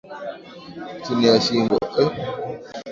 chini ya shingo